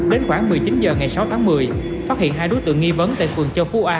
đến khoảng một mươi chín h ngày sáu tháng một mươi phát hiện hai đối tượng nghi vấn tại phường châu phú a